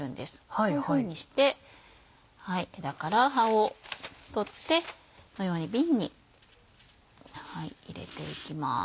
こういうふうにして枝から葉を取ってこのように瓶に入れていきます。